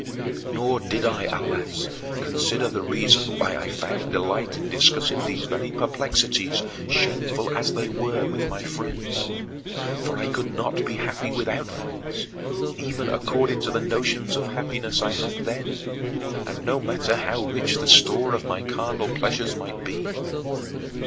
Nor did I, alas, consider the reason why I found delight in discussing these very perplexities, shameful as they were, with my friends. For I could not be happy without friends, even according to the notions of happiness I had then, and no matter how rich the store of my carnal pleasures might be.